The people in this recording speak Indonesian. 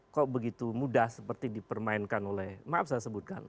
kok begitu mudah seperti dipermainkan oleh maaf saya sebutkan